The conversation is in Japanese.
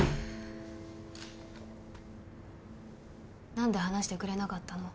何で話してくれなかったの？